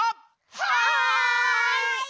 はい！